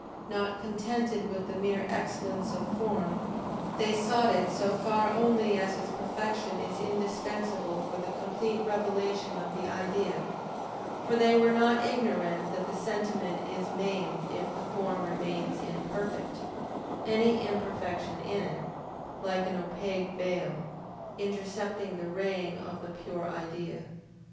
Not contented with the mere excellence of form, they sought it so far only as its perfection is indispensable for the complete revelation of the idea, for they were not ignorant that the sentiment is maimed if the form remain imperfect, any imperfection in it, like an opaque veil, intercepting the raying of the pure idea.